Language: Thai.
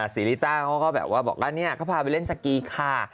สิริต้าเขาก็แบบว่าบอกว่าเนี่ยเขาพาไปเล่นสกีค่ะ